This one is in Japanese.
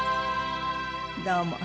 どうも。